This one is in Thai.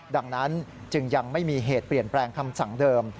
ดังนั้นจึงยังไม่มีเหตุเปลี่ยนแปลงคำสั่งเดิม